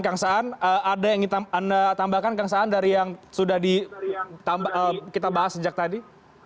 kang saan ada yang ingin anda tambahkan kang saan dari yang sudah kita bahas sejak tadi